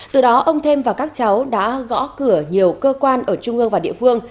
từ đó ông thêm và các cháu đã gõ cửa nhiều cơ quan ở trung ương và địa phương